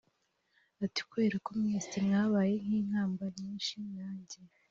Ati kubera ko mwese mwabaye nk inkamba nyinshi nanjye